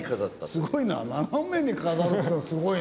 すごいな！